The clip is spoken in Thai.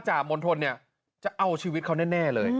มณฑลเนี่ยจะเอาชีวิตเขาแน่เลย